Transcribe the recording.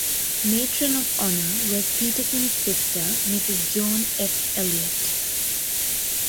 Matron of Honor was Peterson's sister, Mrs. John F. Elliott.